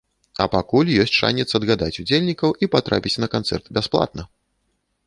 А пакуль ёсць шанец адгадаць удзельнікаў і патрапіць на канцэрт бясплатна.